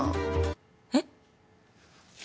えっ？